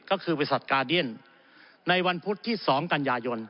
ก็คือบริษัทกาเดียนในวันพุธที่๒กันยายน